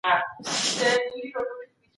یووالی د پرمختګ کیلي ده.